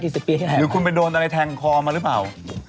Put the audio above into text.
หรือคุณไปโดนอะไรแทงคอมารึเปล่า